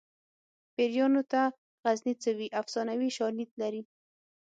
پیریانو ته غزني څه وي افسانوي شالید لري